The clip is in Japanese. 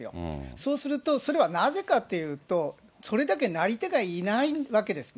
そうすると、それはなぜかっていうと、それだけなり手がいないわけですね。